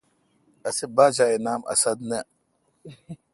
اسے°باچا اے°نام اسد نہ۔